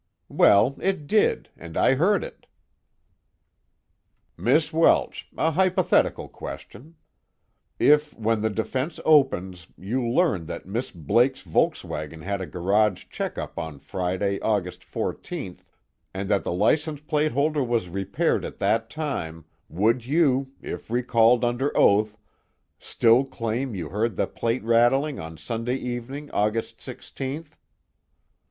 "Well, it did, and I heard it." "Miss Welsh, a hypothetical question. If, when the defense opens, you learn that Miss Blake's Volkswagen had a garage check up on Friday, August 14th, and that the license plate holder was repaired at that time, would you, if recalled under oath, still claim you heard that plate rattling on Sunday evening, August 16th?"